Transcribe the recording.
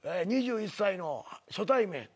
２１歳の初対面。